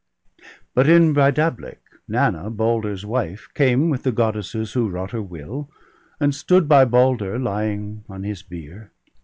But in Breidablik Nanna, Balder's wife. Came with the Goddesses who wrought her will, And stood by Balder lying on his bier.